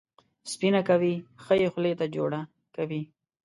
سپینه کوي، ښه یې خولې ته جوړه کوي.